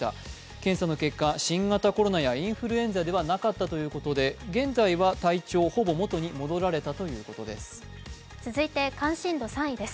検査の結果、新型コロナやインフルエンザではなかったとのことで現在は体調、ほぼ元に戻られたということです。